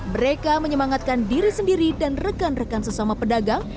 mereka menyemangatkan diri sendiri dan rekan rekan sesama pedagang